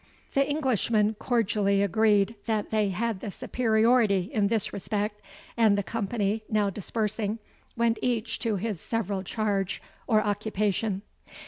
The Englishmen cordially agreed that they had the superiority in this respect; and the company, now dispersing, went each to his several charge or occupation.